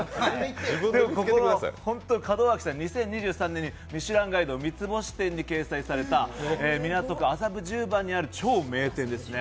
ここの、かどわきさん、２０２３年にミシュランガイド三つ星店に掲載された港区麻布十番にある超名店ですね。